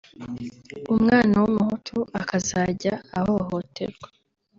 umwana w’umuhutu akazajya ahohoterwa